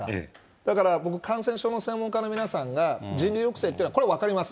だから僕、感染症の専門家の皆さんが、人流抑制っていうのはこれは分かります。